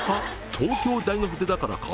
東京大学出だからか？